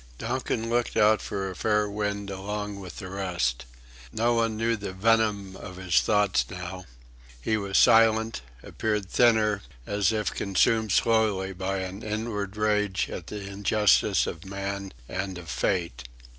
Donkin looked out for a fair wind along with the rest. No one knew the venom of his thoughts now. He was silent, and appeared thinner, as if consumed slowly by an inward rage at the injustice of men and of fate.